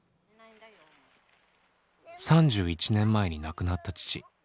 ３１年前に亡くなった父。